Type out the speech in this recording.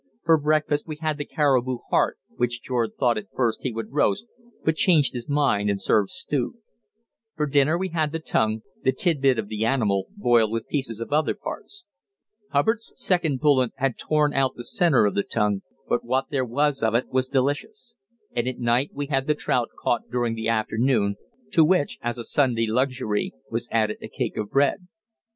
For breakfast we had the caribou heart, which George thought at first he would roast but changed his mind and served stewed. For dinner we had the tongue, the tidbit of the animal, boiled with pieces of other parts. Hubbard's second bullet had torn out the centre of the tongue, but what there was of it was delicious. And at night we had the trout caught during the afternoon, to which, as a Sunday luxury, was added a cake of bread.